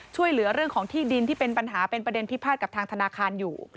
ช่วยเหลือเรื่องของที่ดินที่เป็นปัญหาเป็นประเด็นพิพาทกับทางธนาคารอยู่